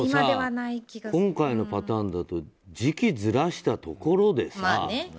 でも今回のパターンだと時期ずらしたところでさ。